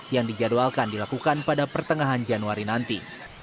yang dijadwalkan dilakukan pada pertengahan januari nanti